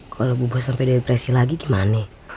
kalau bu bos sampai depresi lagi gimana